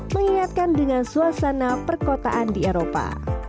mengingatkan dengan suasana perkotaan di eropa